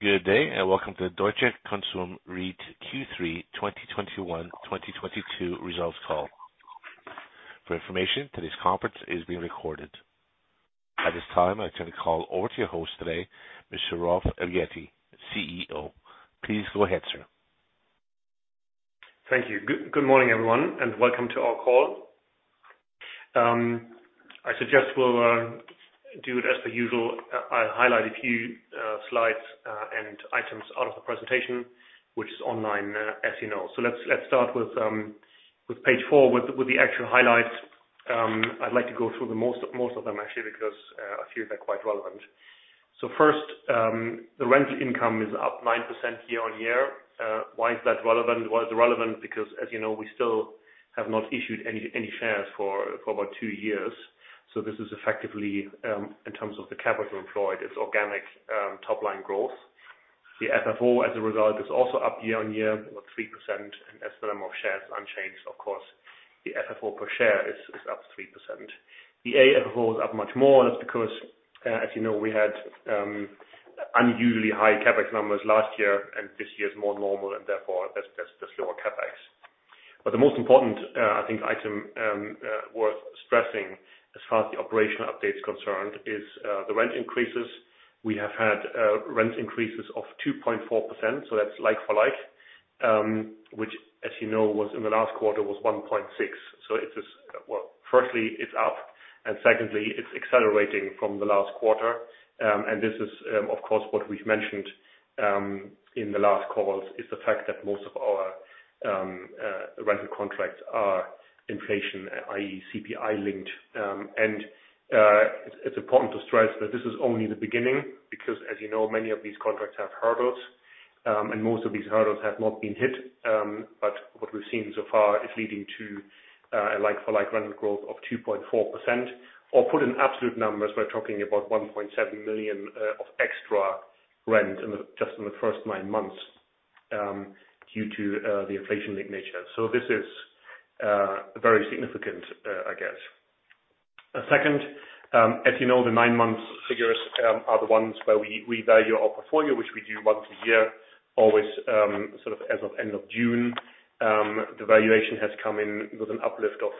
Good day, and welcome to Deutsche Konsum REIT-AG Q3 2021/2022 Results Call. For information, today's conference is being recorded. At this time, I turn the call over to your host today, Mr. Rolf Elgeti, CEO. Please go ahead, sir. Thank you. Good morning, everyone, and welcome to our call. I suggest we'll do it as usual. I'll highlight a few slides and items out of the presentation, which is online, as you know. Let's start with page four, the actual highlights. I'd like to go through most of them actually because a few of them are quite relevant. First, the rent income is up 9% year-over-year. Why is that relevant? Because as you know, we still have not issued any shares for about two years. This is effectively, in terms of the capital employed, organic top-line growth. The FFO, as a result, is also up year-over-year, about 3%. As the amount of shares unchanged, of course, the FFO per share is up 3%. The AFFO is up much more. That's because, as you know, we had unusually high CapEx numbers last year, and this year is more normal, and therefore, that's just lower CapEx. The most important, I think item worth stressing as far as the operational update's concerned is the rent increases. We have had rent increases of 2.4%, so that's like-for-like, which, as you know, was in the last quarter 1.6%. It is up. Well, firstly, it's up. Secondly, it's accelerating from the last quarter. This is, of course, what we've mentioned in the last calls, is the fact that most of our rental contracts are inflation, i.e. CPI linked. It's important to stress that this is only the beginning because as you know, many of these contracts have hurdles, and most of these hurdles have not been hit. What we've seen so far is leading to a like-for-like rental growth of 2.4% or put in absolute numbers, we're talking about 1.7 million of extra rent just in the first nine months due to the inflation-linked nature. This is very significant, I guess. A second, as you know, the nine-month figures are the ones where we value our portfolio, which we do once a year, always, sort of as of end of June. The valuation has come in with an uplift of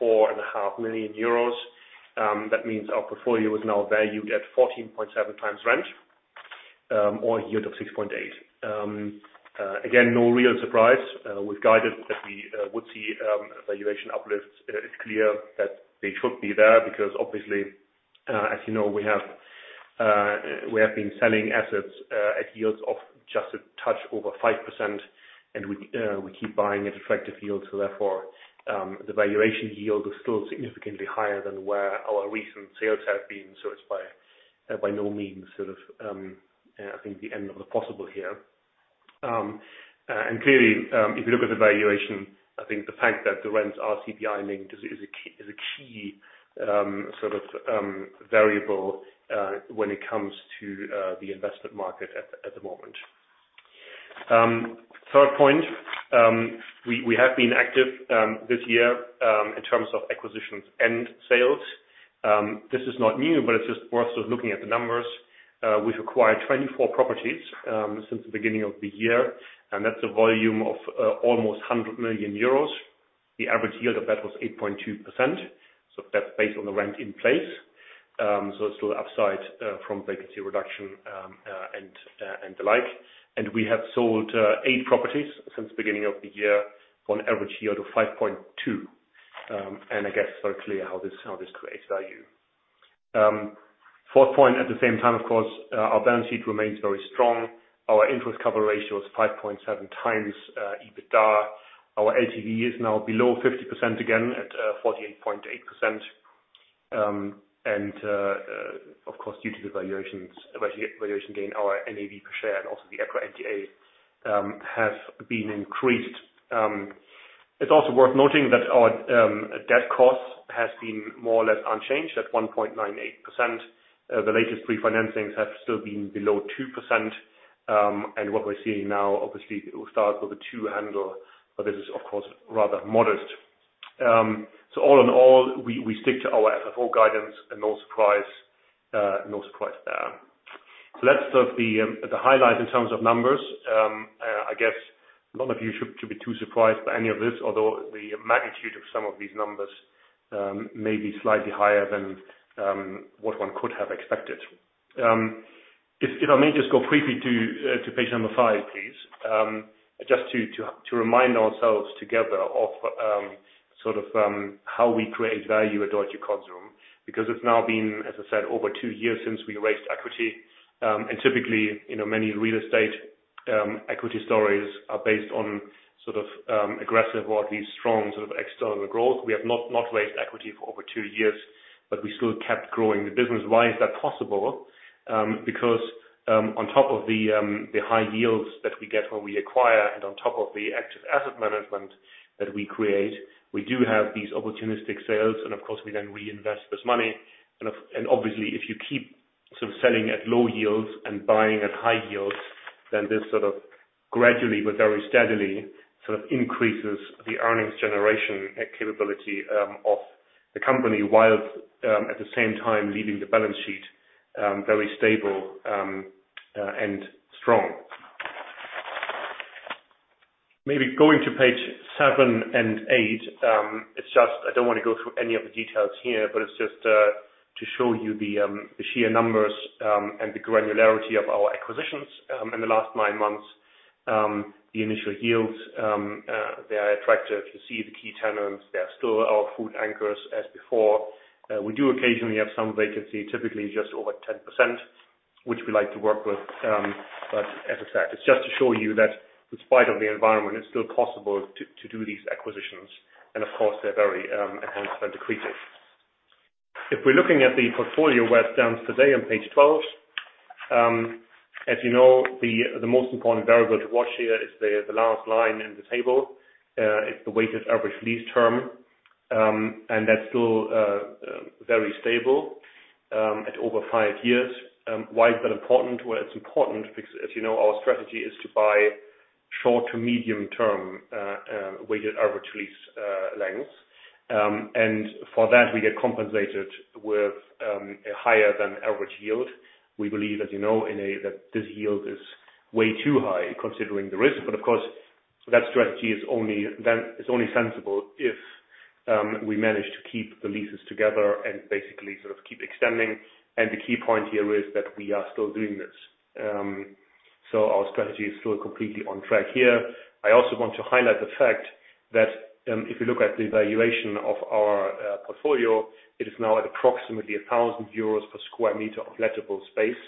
64.5 million euros. That means our portfolio is now valued at 14.7x rent, or a yield of 6.8%. Again, no real surprise. We've guided that we would see valuation uplifts. It's clear that they should be there because obviously, as you know, we have been selling assets at yields of just a touch over 5%, and we keep buying at attractive yields. Therefore, the valuation yield is still significantly higher than where our recent sales have been. It's by no means sort of, I think the end of the possible here. Clearly, if you look at the valuation, I think the fact that the rents are CPI-linked is a key sort of variable when it comes to the investment market at the moment. Third point, we have been active this year in terms of acquisitions and sales. This is not new, but it's just worth sort of looking at the numbers. We've acquired 24 properties since the beginning of the year, and that's a volume of almost 100 million euros. The average yield of that was 8.2%. That's based on the rent in place. It's still upside from vacancy reduction and the like. We have sold 8 properties since the beginning of the year on average yield of 5.2%. I guess it's very clear how this creates value. Fourth point, at the same time, of course, our balance sheet remains very strong. Our interest coverage ratio is 5.7 times EBITDA. Our LTV is now below 50%, again, at 48.8%. Of course, due to the valuation gain, our NAV per share and also the equity NTA have been increased. It's also worth noting that our debt cost has been more or less unchanged at 1.98%. The latest re-financings have still been below 2%. What we're seeing now, obviously it will start with a 2 handle, but this is of course rather modest. All in all, we stick to our FFO guidance and no surprise there. Let's look at the highlight in terms of numbers. I guess none of you should be too surprised by any of this, although the magnitude of some of these numbers may be slightly higher than what one could have expected. If I may just go briefly to page number 5, please. Just to remind ourselves together of sort of how we create value at Deutsche Konsum because it's now been, as I said, over two years since we raised equity. Typically, you know, many real estate equity stories are based on sort of aggressive or at least strong sort of external growth. We have not raised equity for over two years, but we still kept growing the business. Why is that possible? Because, on top of the high yields that we get when we acquire and on top of the active asset management that we create, we do have these opportunistic sales and of course, we then reinvest this money. And obviously, if you keep sort of selling at low yields and buying at high yields, then this sort of gradually but very steadily sort of increases the earnings generation capability of the company, while at the same time leaving the balance sheet very stable and strong. Maybe going to page 7 and 8. It's just I don't wanna go through any of the details here, but it's just to show you the sheer numbers and the granularity of our acquisitions in the last 9 months. The initial yields they are attractive. You see the key tenants, they are still our food anchors as before. We do occasionally have some vacancy, typically just over 10%, which we like to work with, but in fact. It's just to show you that in spite of the environment, it's still possible to do these acquisitions. Of course, they're very enhanced and accretive. If we're looking at the portfolio where it stands today on page 12, as you know, the most important variable to watch here is the last line in the table. It's the weighted average lease term. That's still very stable at over 5 years. Why is that important? Well, it's important because as you know our strategy is to buy short to medium term weighted average lease lengths. For that we get compensated with a higher than average yield. We believe, as you know, that this yield is way too high considering the risk. Of course that strategy is only sensible if we manage to keep the leases together and basically sort of keep extending. The key point here is that we are still doing this. Our strategy is still completely on track here. I also want to highlight the fact that, if you look at the valuation of our portfolio, it is now at approximately 1,000 euros per square meter of lettable space.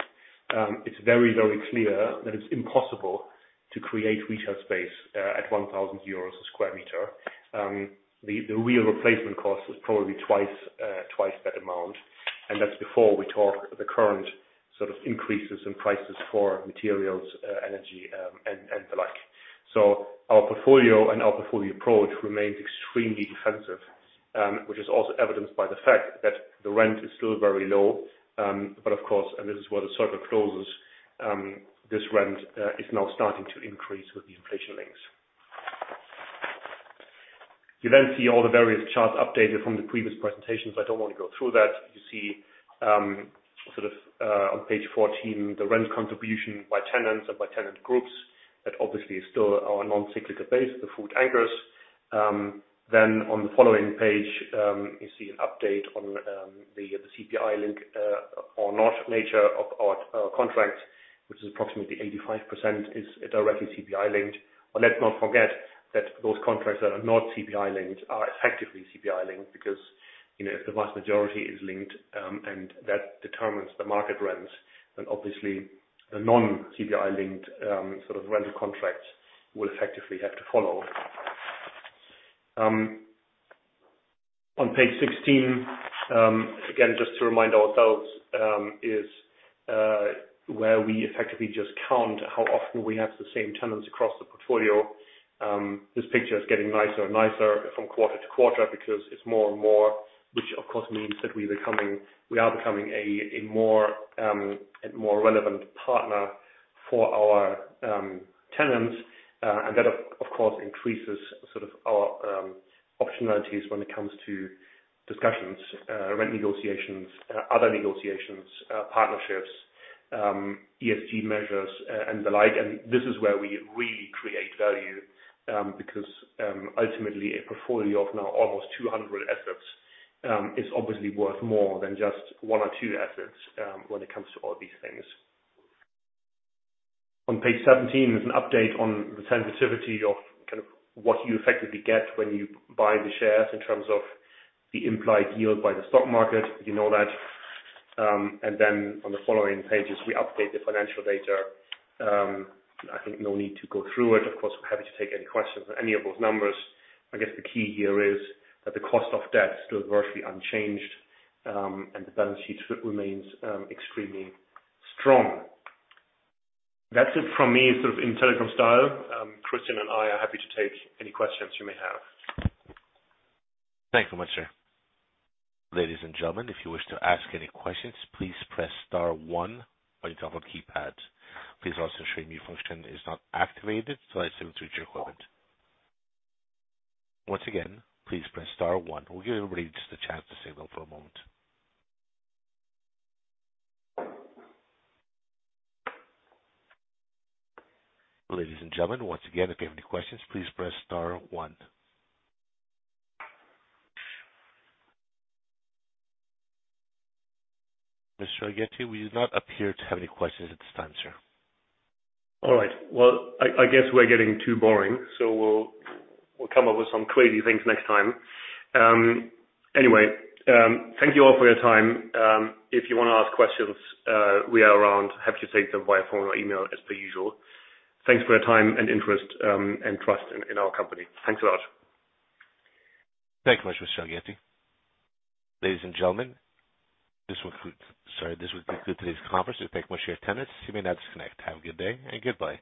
It's very, very clear that it's impossible to create retail space at 1,000 euros a square meter. The real replacement cost is probably twice that amount. That's before we talk about the current sort of increases in prices for materials, energy, and the like. Our portfolio and our portfolio approach remains extremely defensive, which is also evidenced by the fact that the rent is still very low. Of course, and this is where the circle closes, this rent is now starting to increase with the inflation links. You then see all the various charts updated from the previous presentations. I don't want to go through that. You see, sort of, on page 14, the rent contribution by tenants and by tenant groups. That obviously is still our non-cyclical base, the food anchors. On the following page, you see an update on the CPI-linked nature of our contracts, which is approximately 85% is directly CPI linked. Let's not forget that those contracts that are not CPI linked are effectively CPI linked because, you know, if the vast majority is linked, and that determines the market rents, then obviously a non-CPI linked, sort of rental contracts will effectively have to follow. On page 16, again, just to remind ourselves, is where we effectively just count how often we have the same tenants across the portfolio. This picture is getting nicer and nicer from quarter to quarter because it's more and more, which of course means that we are becoming a more relevant partner for our tenants. And that of course increases sort of our Optionalities when it comes to discussions, rent negotiations, other negotiations, partnerships, ESG measures, and the like. This is where we really create value, because, ultimately a portfolio of now almost 200 assets, is obviously worth more than just 1 or 2 assets, when it comes to all these things. On page 17 is an update on the sensitivity of kind of what you effectively get when you buy the shares in terms of the implied yield by the stock market. You know that. And then on the following pages, we update the financial data. I think no need to go through it. Of course, we're happy to take any questions on any of those numbers. I guess the key here is that the cost of debt is still virtually unchanged, and the balance sheet remains extremely strong. That's it from me, sort of in telegram style. Christian and I are happy to take any questions you may have. Thank you much, sir. Ladies and gentlemen, if you wish to ask any questions, please press star one on your telephone keypad. Please also ensure your mute function is not activated so as to improve your call. Once again, please press star one. We'll give everybody just a chance to stay on for a moment. Ladies and gentlemen, once again, if you have any questions, please press star one. Mr. Rolf Elgeti, we do not appear to have any questions at this time, sir. All right. Well, I guess we're getting too boring, so we'll come up with some crazy things next time. Anyway, thank you all for your time. If you wanna ask questions, we are around. Happy to take them via phone or email as per usual. Thanks for your time and interest, and trust in our company. Thanks a lot. Thank you much, Mr. Elgeti. Ladies and gentlemen, this would conclude today's conference. We thank much your attendance. You may now disconnect. Have a good day and goodbye.